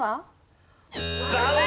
残念！